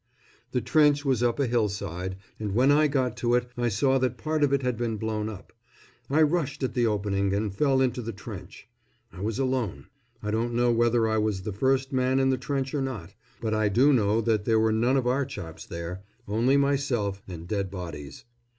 The trench was up a hillside, and when I got to it I saw that part of it had been blown up. I rushed at the opening, and fell into the trench. I was alone. I don't know whether I was the first man in the trench or not; but I do know that there were none of our chaps there only myself and dead bodies.